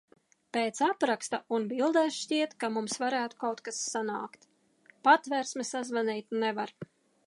Pēc apraksta un bildēs šķiet, ka mums varētu kaut kas sanākt. Patversmi sazvanīt nevar.